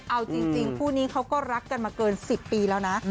เอาจริงคู่นี้เขาก็รักกันมาเกิน๑๐ปีแล้วนะ